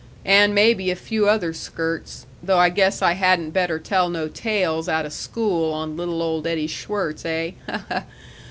And maybe a few other skirts, though I guess I hadn't better tell no tales outa school on little old Eddie Schwirtz, eh? Ha, ha!...